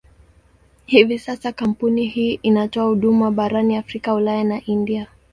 Hivi sasa kampuni hii inatoa huduma barani Afrika, Ulaya na India.